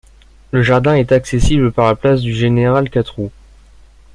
Le jardin est accessible par la place du Général-Catroux.